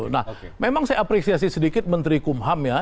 nah memang saya apresiasi sedikit menteri kumham ya